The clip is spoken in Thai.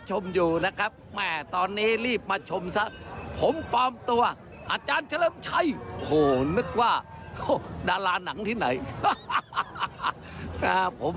โอ้โหคงแบบถ่ายรูปกันรัว